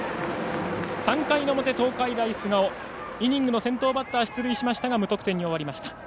３回の表、東海大菅生イニングの先頭バッター出塁しましたが無得点に終わりました。